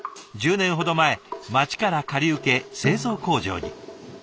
１０年ほど前町から借り受け製造工場に。